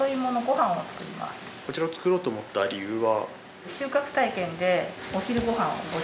こちらを作ろうと思った理由は？